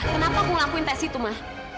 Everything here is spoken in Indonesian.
kenapa aku ngelakuin tes itu ma